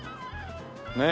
ねえ。